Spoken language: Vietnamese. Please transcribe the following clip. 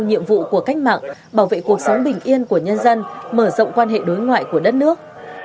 nhiệm vụ của cách mạng bảo vệ cuộc sống bình yên của nhân dân mở rộng quan hệ đối ngoại của đất nước